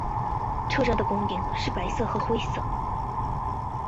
车站拱顶是白色和灰色。